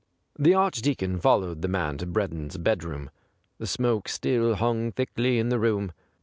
^' The Archdeacon followed the man to Breddon's bedroom. The smoke still hung thickly in the room.